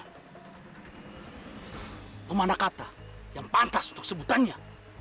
apa mana kata yang pantas untuk sebutannya